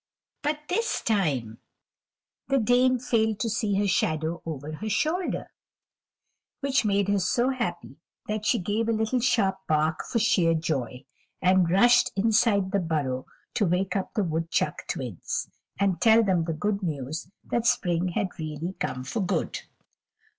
But this time the Dame failed to see her shadow over her shoulder, which made her so happy that she gave a little sharp bark for sheer joy, and rushed inside the burrow to wake up the woodchuck Twins, and tell them the good news that spring had really come for good.